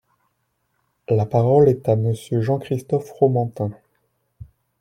La parole est à Monsieur Jean-Christophe Fromantin.